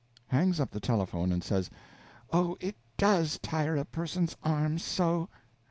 (Hangs up the telephone and says, "Oh, it _does _tire a person's arm so!")